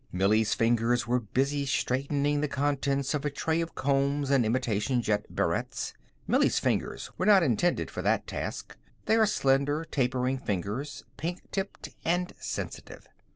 Millie's fingers were busy straightening the contents of a tray of combs and imitation jet barrettes. Millie's fingers were not intended for that task. They are slender, tapering fingers, pink tipped and sensitive.